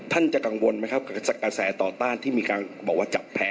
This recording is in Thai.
ท่านจะกังวลไหมครับกับกระแสต่อต้านที่มีการบอกว่าจับแพ้